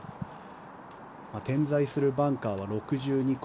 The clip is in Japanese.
点在するバンカーは６２個。